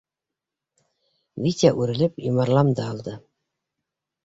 Витя үрелеп йомарламды алды.